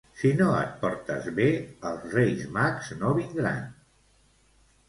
Si no et portes bé, els Reis Mags no vindran.